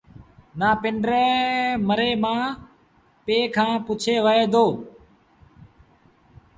تا پنڊري مري مآ پي کآݩ پُڇي وهي دو